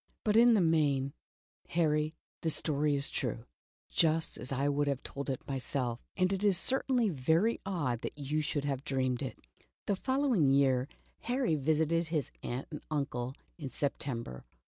But in the main, Harry, the story is true, just as I would have told it myself, and it is ^(i The Tiger on the Hudson. certainly very odd that you should have dreamed it." The following year Harry visited his aunt and uncle in September.